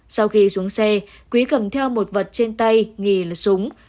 sau khi xuống xe quý cầm theo một vật trên tay nghi là súng